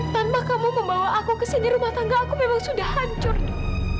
tanpa kamu membawa aku ke sini rumah tangga aku memang sudah hancur dong